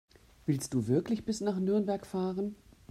Willst du wirklich bis nach Nürnberg fahren?